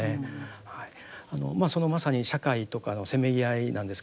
まさに社会とかのせめぎ合いなんですけども。